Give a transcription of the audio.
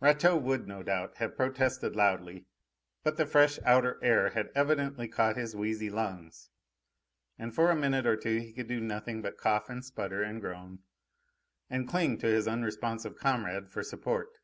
Rateau would, no doubt, have protested loudly, but the fresh outer air had evidently caught his wheezy lungs, and for a minute or two he could do nothing but cough and splutter and groan, and cling to his unresponsive comrade for support.